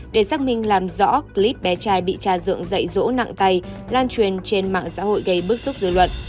để xác minh làm rõ clip bé trai bị cha dưỡng dậy rỗ nặng tay lan truyền trên mạng xã hội gây bức xúc dư luận